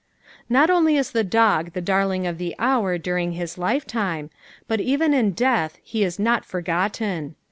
Not only is the dog the darling of the hour during his lifetime, but even in death he is not forgotten.